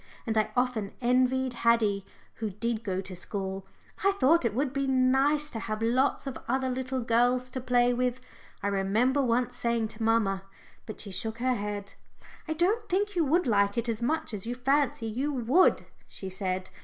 And I often envied Haddie, who did go to school. I thought it would be nice to have lots of other little girls to play with. I remember once saying so to mamma, but she shook her head. "I don't think you would like it as much as you fancy you would," she said.